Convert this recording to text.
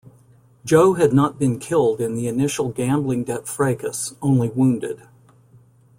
Joe had not been killed in the initial gambling-debt fracas, only wounded.